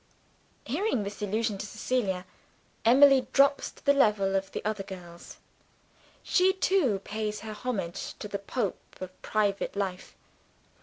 Hearing this allusion to Cecilia, Emily drops to the level of the other girls. She too pays her homage to the Pope of private life.